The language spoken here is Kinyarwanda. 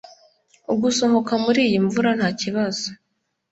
Gusohoka muriyi mvura ntakibazo.